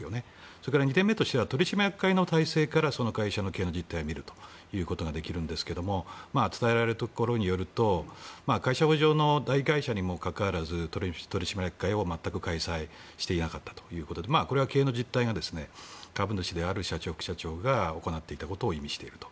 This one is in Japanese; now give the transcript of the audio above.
それから、２点目は取締役会の体制からその会社の経営実態を見ることができるんですが伝えられるところによると大会社にもかかわらず取締役会を全く開催していなかったということでこれは経営の実態が株主である社長、副社長が行っていたことを意味していると。